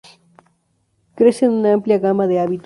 Crece en una amplia gama de hábitos.